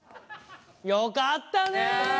よかったねえ！